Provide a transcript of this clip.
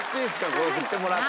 これ振ってもらって。